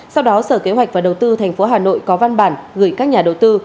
sau đó sở kế hoạch và đầu tư tp hà nội có văn bản gửi các nhà đầu tư